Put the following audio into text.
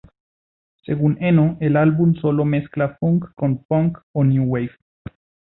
Según Eno, el álbum sólo mezcla funk con punk o new wave.